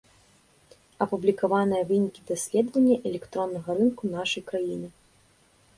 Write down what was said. Апублікаваныя вынікі даследавання электроннага рынку нашай краіны.